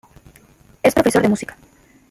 Es profesor de música.